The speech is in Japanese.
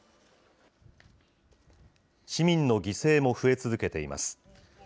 市民の犠牲も増え続けています。